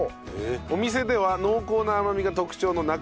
お店では濃厚な甘みが特徴の中